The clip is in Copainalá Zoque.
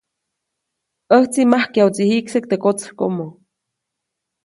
‒ʼÄjtsi majkyajuʼtsi jikseʼk teʼ kotsäjkomo-.